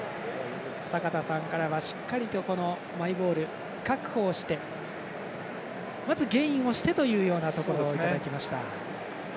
坂田さんからはしっかりとマイボール確保してまずゲインをしてというような言葉をいただきました。